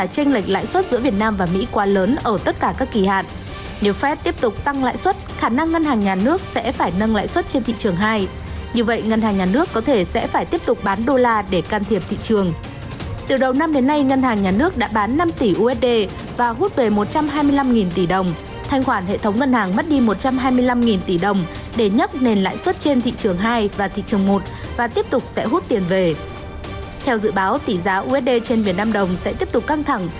theo dự báo tỷ giá usd trên miền nam đồng sẽ tiếp tục căng thẳng